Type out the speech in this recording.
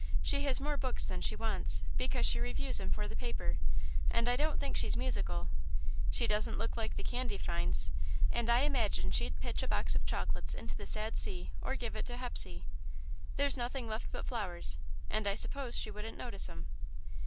She has more books than she wants, because she reviews'em for the paper, and I don't think she's musical. She doesn't look like the candy fiends, and I imagine she'd pitch a box of chocolates into the sad sea, or give it to Hepsey. There's nothing left but flowers and I suppose she wouldn't notice'em.